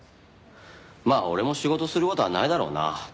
まあ俺も仕事する事はないだろうな。